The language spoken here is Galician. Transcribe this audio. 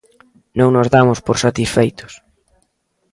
Non nos damos por satisfeitos.